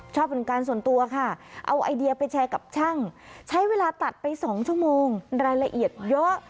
ชอบเป็นการส่วนตัวค่ะเอาไอเดียไปแชร์กับช่างใช้เวลาตัดไป๒ชั่วโมงรายละเอียดเยอะ